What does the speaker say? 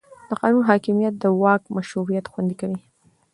د قانون حاکمیت د واک مشروعیت خوندي کوي